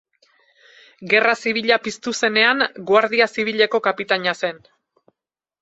Gerra Zibila piztu zenean, guardia zibileko kapitaina zen.